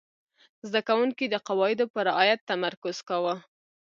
زده کوونکي د قواعدو په رعایت تمرکز کاوه.